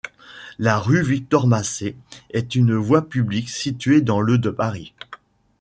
La rue Victor-Massé est une voie publique située dans le de Paris.